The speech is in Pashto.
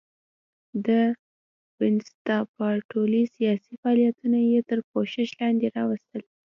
د بنسټپالو سیاسي فعالیتونه یې تر پوښښ لاندې راوستل.